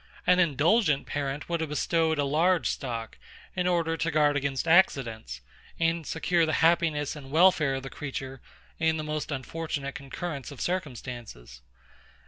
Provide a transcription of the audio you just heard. An indulgent parent would have bestowed a large stock, in order to guard against accidents, and secure the happiness and welfare of the creature in the most unfortunate concurrence of circumstances.